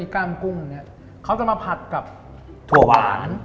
กล้ามกุ้งเนี่ยเขาจะมาผัดกับถั่วหวาน